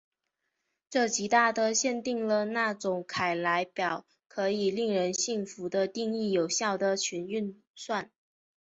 这极大的限定了那种凯莱表可以令人信服的定义有效的群运算。